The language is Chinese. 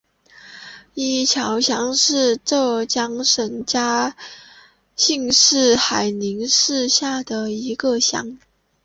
伊桥乡是浙江省嘉兴市海宁市下的一个乡。